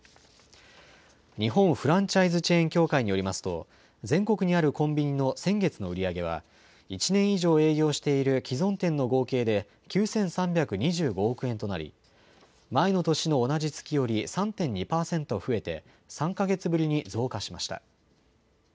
日本フランチャイズチェーン協会によりますと、全国にあるコンビニの先月の売り上げは、１年以上営業している既存店の合計で、９３２５億円となり、前の年の同じ月より３．２％増えて、３か月ぶりに増加しました。